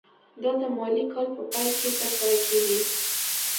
دا د مالي کال په پای کې ترسره کیږي.